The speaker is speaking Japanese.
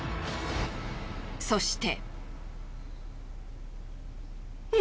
そして。